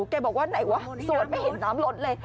แกบอกว่าไหนวะโสดไม่เห็นน้ำรถเลย